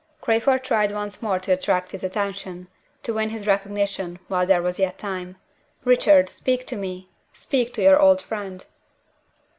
Crayford tried once more to attract his attention to win his recognition while there was yet time. "Richard, speak to me! Speak to your old friend!"